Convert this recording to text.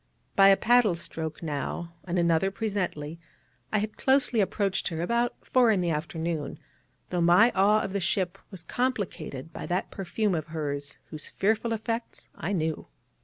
By a paddle stroke now, and another presently, I had closely approached her about four in the afternoon, though my awe of the ship was complicated by that perfume of hers, whose fearful effects I knew.